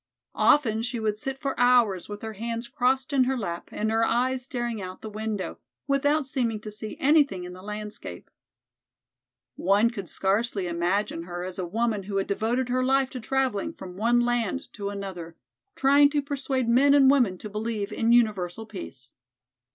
Often she would sit for hours with her hands crossed in her lap and her eyes staring out the window, without seeming to see anything in the landscape. One could scarcely imagine her as a woman who had devoted her life to traveling from one land to another, trying to persuade men and women to believe in universal peace.